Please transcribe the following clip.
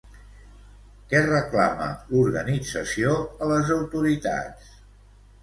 Què reclama l'organització a les autoritats?